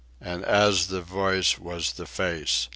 And as the voice was the face.